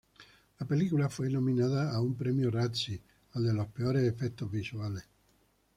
La película fue nominada a un Premio Razzie, al de los peores efectos visuales.